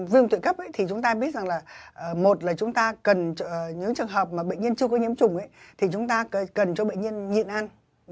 vùng tự cấp thì chúng ta biết rằng là một là chúng ta cần những trường hợp mà bệnh nhân chưa có nhiễm trùng thì chúng ta cần cho bệnh nhân nhịn ăn